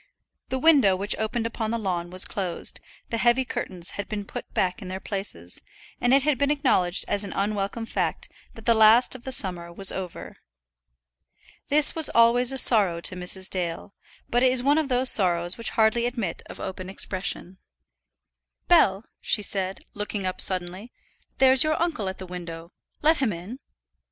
The window which opened upon the lawn was closed, the heavy curtains had been put back in their places, and it had been acknowledged as an unwelcome fact that the last of the summer was over. This was always a sorrow to Mrs. Dale; but it is one of those sorrows which hardly admit of open expression. "Bell," she said, looking up suddenly; "there's your uncle at the window. Let him in."